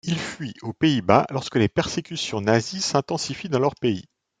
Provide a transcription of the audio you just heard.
Ils fuient aux Pays-Bas lorsque les persécutions nazies s'intensifient dans leur pays.